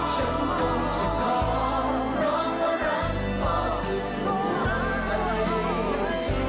ฉันคงจะขอร้องว่ารักเพราะสุดที่รักใจ